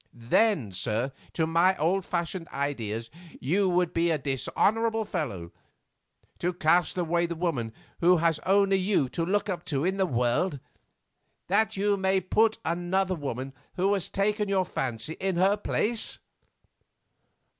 "Then, sir, to my old fashioned ideas you would be a dishonourable fellow, to cast away the woman who has only you to look to in the world, that you may put another woman who has taken your fancy in her place."